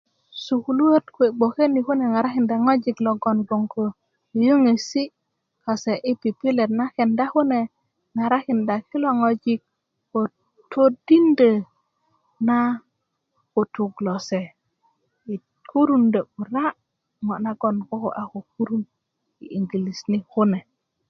sukuluöt kuwe bgoke ni kune ŋarakinda ŋojik logon bgoŋ ko yeyeŋesi kase i pipilet na kenda kune ŋarakinda kilo ŋojik ko todindö na kutuk lose i kurundö 'bura ŋo nagon ko a ko kurun 'bura i engilsi ni kune